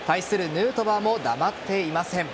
ヌートバーも黙っていません。